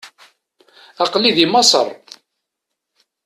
Aql-i di Maseṛ.